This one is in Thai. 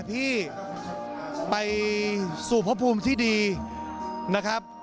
พี่ไปสู่พระภูมิที่ดีนะครับ